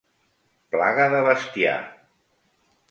Plaga de bestiar.